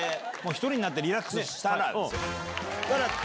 １人になってリラックスしたらですよ。